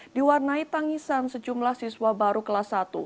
diwarnai tangisan sejumlah siswa baru kelas satu